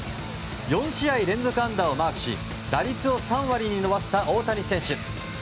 ４試合連続安打をマークし打率を３割に伸ばした大谷選手。